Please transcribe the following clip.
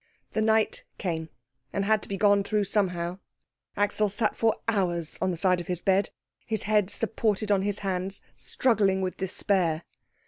The night came, and had to be gone through somehow. Axel sat for hours on the side of his bed, his head supported in his hands, struggling with despair.